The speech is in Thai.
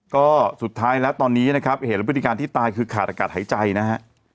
ก็สุดท้ายแล้วตอนนี้นะครับเหตุและพฤติการที่ตายคือขาดอากาศหายใจนะฮะ